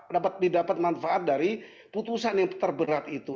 dapat didapat manfaat dari putusan yang terberat itu